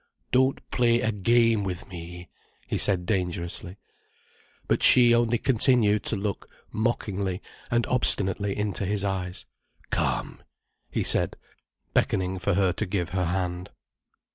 "Don't play a game with me," he said dangerously. But she only continued to look mockingly and obstinately into his eyes. "Come," he said, beckoning for her to give her hand.